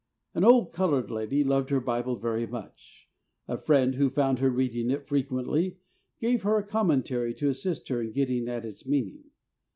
An old colored lady loved her Bible very much. A friend who found her reading it frequently, gave her a commentary to assist her in getting at its meaning.